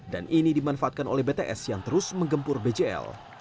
dan ini dimanfaatkan oleh bts yang terus menggempur bgl